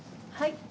はい。